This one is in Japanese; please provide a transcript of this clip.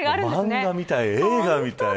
漫画みたい、映画みたい。